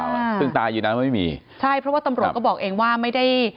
คือตายอยู่นั้นไม่มี